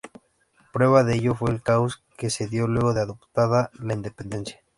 Prueba de ello, fue el caos que se dio luego de adoptada la independencia.